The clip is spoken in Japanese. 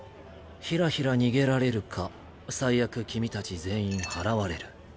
ひらひら逃げられるか最悪君たち全員祓われる。